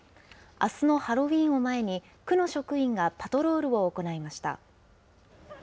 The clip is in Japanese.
あすのハロウィーンを前に、区の職員がパトロールを行いました。